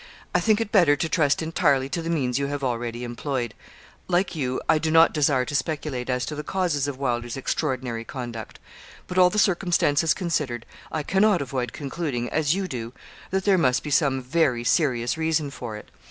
I think it better to trust entirely to the means you have already employed. Like you, I do not desire to speculate as to the causes of Wylder's extraordinary conduct; but, all the circumstances considered, I cannot avoid concluding, as you do, that there must be some very serious reason for it.